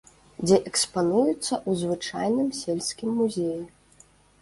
Дзе экспануюцца ў звычайным сельскім музеі.